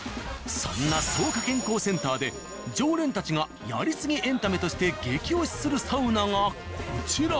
そんな草加健康センターで常連たちがやりすぎエンタメとして激推しするサウナがこちら。